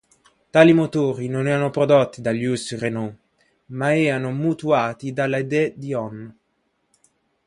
Tali motori non erano prodotti da Louis Renault, ma erano mutuati dalla De Dion.